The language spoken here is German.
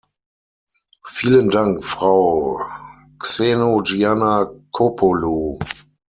Vielen Dank, Frau Xenogiannakopoulou.